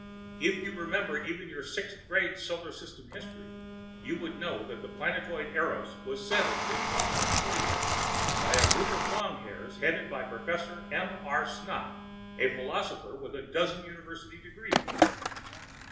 If you remembered even your sixth grade Solar System history, you would know that the planetoid Eros was settled in 2141 by a group of longhairs headed by Prof. M. R. Snock, a philosopher with a dozen university degrees.